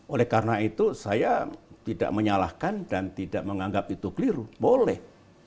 oleh karena itu saya tidak menyalahkan dan tidak menganggap itu keliru boleh